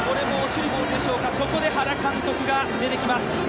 ここで原監督が出てきます。